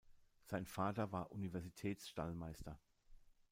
Sein Vater war Universitäts-Stallmeister.